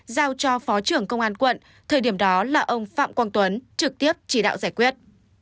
giao cho phó trưởng công an quận thời điểm đó là ông phạm quang tuấn trực tiếp chỉ đạo giải quyết